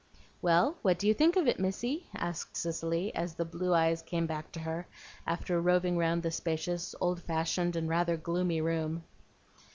"Well, what do you think of it, Missy?" asked Cicely, as the blue eyes came back to her, after roving round the spacious, old fashioned, and rather gloomy room.